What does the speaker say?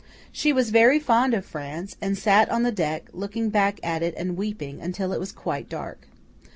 She was very fond of France, and sat on the deck, looking back at it and weeping, until it was quite dark.